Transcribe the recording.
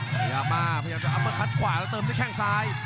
พยายามมาพยายามจะอัมเบอร์คัดขวาแล้วเติมด้วยแข้งซ้าย